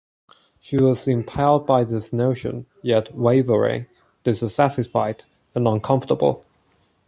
She was impelled by this notion, yet wavering, dissatisfied, and uncomfortable.